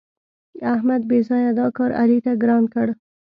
احمد بېځآیه دا کار علي ته ګران کړ.